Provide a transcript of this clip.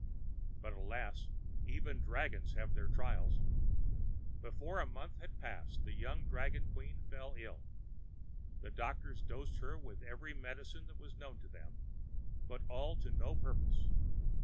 But, alas! even dragons have their trials. Before a month had passed, the young dragon queen fell ill. The doctors dosed her with every medicine that was known to them, but all to no purpose.